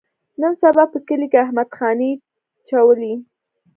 نن سبا په کلي کې احمد خاني چولي.